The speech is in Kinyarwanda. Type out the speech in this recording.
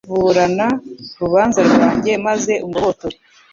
Burana urubanza rwanjye maze ungobotore